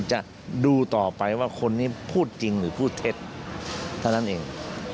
จะดูต่อไปว่าคนนี้พูดจริงหรือพูดเท็จเท่านั้นเอง